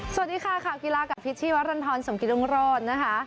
สวัสดีค่ะข่าวกีฬากับพิษชีวรรณฑรสมกิตรุงโรธนะคะ